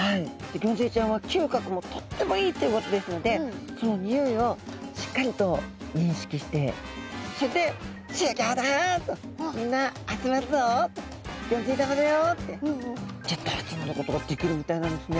ギョンズイちゃんは嗅覚もとってもいいということですのでそのにおいをしっかりと認識してそれで「集合だ」と「みんな集まるぞ」と「ギョンズイ玉だよ」ってギュッと集まることができるみたいなんですね。